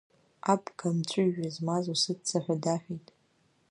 Абга амҵәыжәҩа змаз усыцца ҳәа даҳәеит.